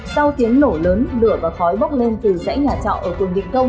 sau tiếng nổ lớn lửa và khói bốc lên từ rãnh nhà trọ ở tuần định công